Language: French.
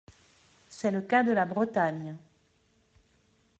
C’est le cas de la Bretagne.